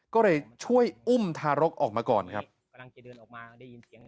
ก็เลยช่วยอุ้มทารกออกมาก่อนครับ